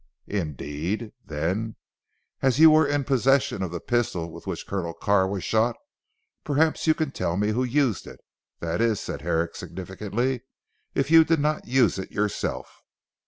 "Indeed? Then, as you were in possession of the pistol with which Colonel Carr was shot, perhaps you can tell me who used it. That is," said Herrick significantly, "if you did not use it yourself."